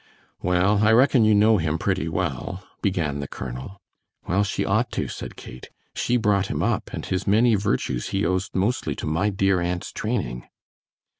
"Well, I reckon you know him pretty well," began the colonel. "Well, she ought to," said Kate, "she brought him up, and his many virtues he owes mostly to my dear aunt's training."